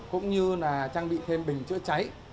cũng như là trang bị thêm bình chữa cháy